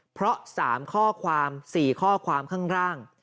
เพราะ๓ข้อความ๔ข้อความข้างล่าง